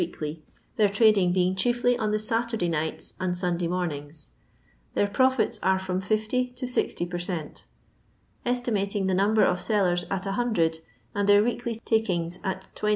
weekly, their trading being chiefly on the Saturday nights and Sunday mornings. Their profits are fimn 50 to 60 per cent Esti mating the number m sellers at 100, and their weekly takings at 20t.